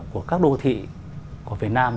của các đô thị của việt nam